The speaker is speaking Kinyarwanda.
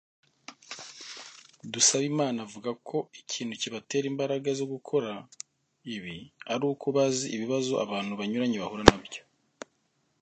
Dusabimana avuga ko ikintu kibatera imbaraga zo gukora ibi ari uko bazi ibibazo abantu banyuranye bahura na byo